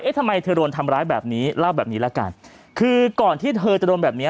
ทำไมเธอโดนทำร้ายแบบนี้เล่าแบบนี้ละกันคือก่อนที่เธอจะโดนแบบเนี้ย